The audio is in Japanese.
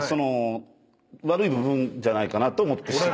じゃないかなと思ってしまう。